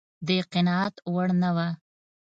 د قناعت وړ نه و.